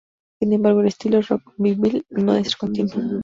Sin embargo, el estilo rockabilly no es continuo.